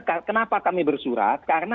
kenapa kami bersurat karena